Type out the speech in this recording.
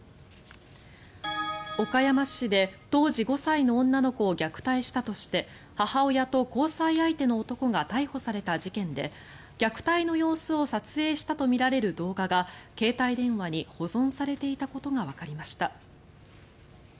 岡山市で当時５歳の女の子を虐待したとして母親と交際相手の男が逮捕された事件で虐待の様子を撮影したとみられる動画が携帯電話に保存されていたことがわかりました。